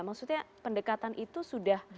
maksudnya pendekatan itu sudah